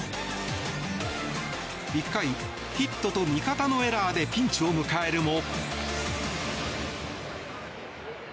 １回、ヒットと味方のエラーでピンチを迎えるも。